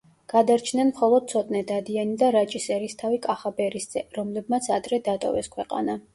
გადარჩნენ მხოლოდ ცოტნე დადიანი და რაჭის ერისთავი კახაბერისძე, რომლებმაც ადრე დატოვეს ქვეყანა.